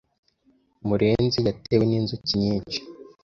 Murenzi yatewe n'inzuki nyinshi.